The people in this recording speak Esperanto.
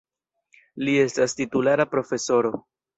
Li estas titulara profesoro.